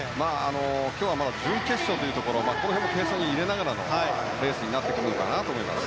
今日はまだ準決勝というところここら辺も計算に入れながらのレースになってくるのかなと思います。